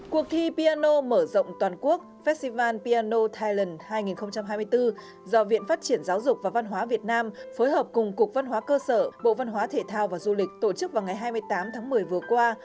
cuộc thi piano mở rộng toàn quốc festival piano thailand hai nghìn hai mươi bốn do viện phát triển giáo dục và văn hóa việt nam phối hợp cùng cục văn hóa cơ sở bộ văn hóa thể thao và du lịch tổ chức vào ngày hai mươi tám tháng một mươi vừa qua